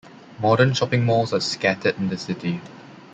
Modern shopping malls are scattered in the city.